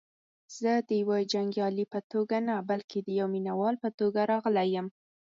زه دیوه جنګیالي په توګه نه بلکې دیوه مینه وال په توګه راغلی یم.